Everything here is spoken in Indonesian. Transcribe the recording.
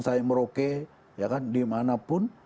saimeroke ya kan dimanapun